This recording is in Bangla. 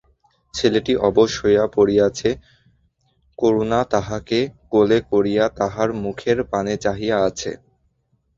ছেলেটি অবশ হইয়া পড়িয়াছে, করুণা তাহাকে কোলে করিয়া তাহার মুখের পানে চাহিয়া আছে।